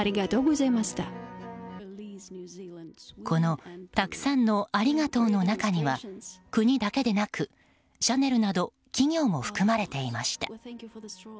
このたくさんのありがとうの中には国だけでなく、シャネルなど企業も含まれていました。